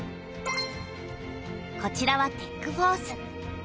こちらは「テック・フォース」。